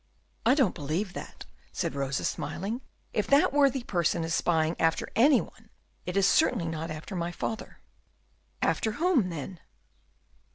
"I don't believe that," said Rosa, smiling; "if that worthy person is spying after any one, it is certainly not after my father." "After whom, then?"